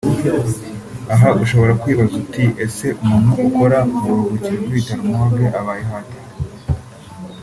Aha ushobora kwibaza uti ese umuntu ukora mu buruhukiro bw’ibitaro (morgue) abayeho ate